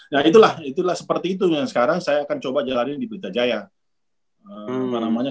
nah itulah itulah seperti itu yang sekarang saya akan coba jalanin di pelita jaya